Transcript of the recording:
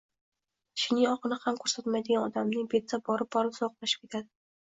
tishining oqini ham ko‘rsatmaydigan odamning beti borib-borib sovuqlashib ketadi.